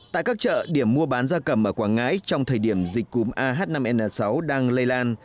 tại các chợ điểm mua bán gia cầm ở quảng ngãi trong thời điểm dịch cúm ah năm n sáu đang lây lan